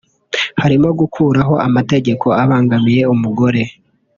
harimo gukuraho amategeko abangamiye umugore